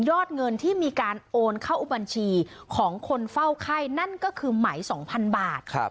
เงินที่มีการโอนเข้าบัญชีของคนเฝ้าไข้นั่นก็คือไหม๒๐๐๐บาท